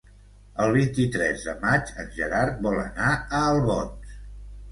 El vint-i-tres de maig en Gerard vol anar a Albons.